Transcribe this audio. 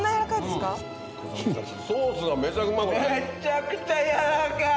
めちゃくちゃ軟らかい。